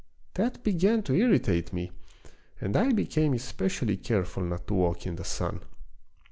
" That began to irritate me, and I became espe cially careful not to walk in the sun.